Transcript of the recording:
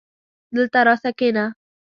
دلته راسه کينه